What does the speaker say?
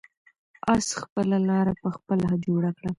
آس خپله لاره په خپله جوړه کړه.